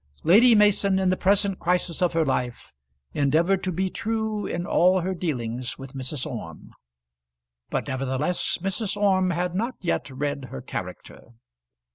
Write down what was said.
Lady Mason in the present crisis of her life endeavoured to be true in all her dealings with Mrs. Orme; but nevertheless Mrs. Orme had not yet read her character.